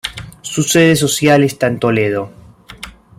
Su sede social está en Toledo.